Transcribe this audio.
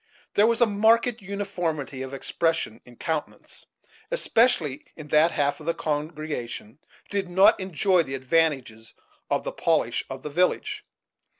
There was a marked uniformity of expression in Countenance, especially in that half of the congregation who did not enjoy the advantages of the polish of the village.